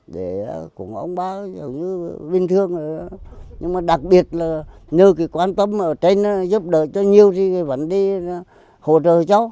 để cùng ông bà giống như bình thường nhưng mà đặc biệt là nhờ cái quan tâm ở trên giúp đỡ cho nhiều thì vẫn đi hỗ trợ cho